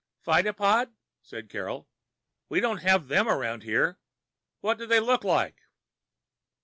"Phytopod?" said Carol. "We don't have them around here. What do they look like?"